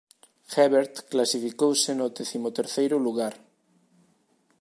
Herbert clasificouse no décimo terceiro lugar.